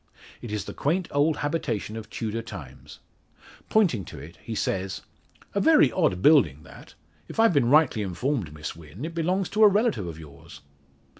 It is the quaint old habitation of Tudor times. Pointing to it, he says: "A very odd building, that! If I've been rightly informed, Miss Wynn, it belongs to a relative of yours?"